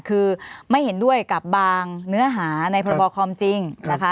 คือไม่เห็นด้วยกับบางเนื้อหาในพรบความจริงนะคะ